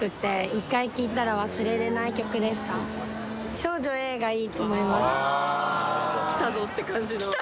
『少女Ａ』がいいと思いました。